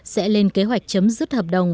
sẽ lên kế hoạch chấm dứt hợp đồng